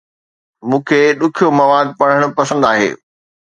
مون کي ڏکيو مواد پڙهڻ پسند آهي